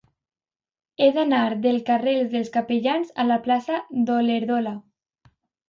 He d'anar del carrer dels Capellans a la plaça d'Olèrdola.